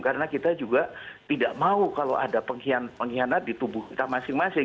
karena kita juga tidak mau kalau ada pengkhianat di tubuh kita masing masing